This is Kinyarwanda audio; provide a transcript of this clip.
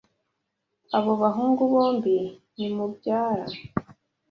Abo bahungu bombi ni mubyara.